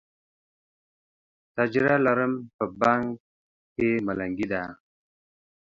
تجره لرم، په بنګ کې ملنګي ده